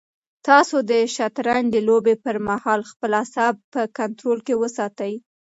تاسو د شطرنج د لوبې پر مهال خپل اعصاب په کنټرول کې وساتئ.